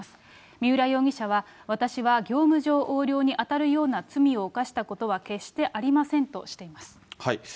三浦容疑者は、私は業務上横領に当たるような罪を犯したことは決してありませんとしています。